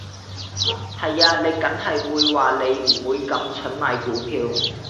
係呀，你緊係會話你唔會咁蠢買股票